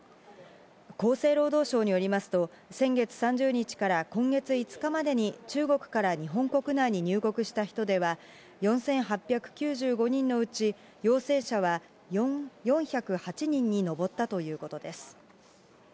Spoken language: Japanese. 厚生労働省によりますと、先月３０日から今月５日までに中国から日本国内に入国した人では、４８９５人のうち、陽性者は４０８人に上ったということです。